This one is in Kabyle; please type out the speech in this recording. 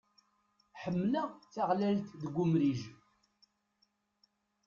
Ḥemmleɣ taɣlalt deg umrij.